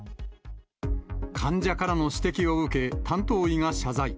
患者からの指摘を受け、担当医が謝罪。